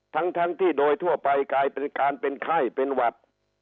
ทั้งที่โดยทั่วไปกลายเป็นการเป็นไข้เป็นหวัด